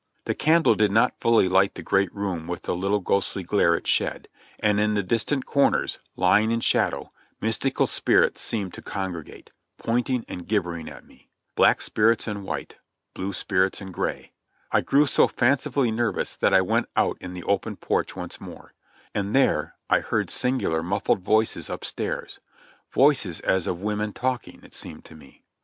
The candle did not fully light the great room with the little ghostly glare it shed, and in the distant corners, lying in shadow, mystical spirits seemed to congregate, pointing and gibbering at me. "Black spirits and white, Blue spirits and gray." I grew so fancifully nervous that I went out in the open porch once more; and there I heard singular muffled voices up stairs — voices as of women talking, it seemed to me.